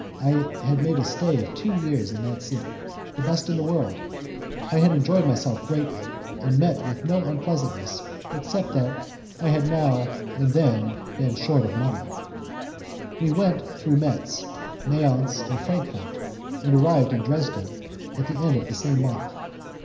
I had made a stay of two years in that city, the best in the world. I had enjoyed myself greatly, and had met with no unpleasantness except that I had been now and then short of money. We went through Metz, Mayence, and Frankfort, and arrived in Dresden at the end of the same month.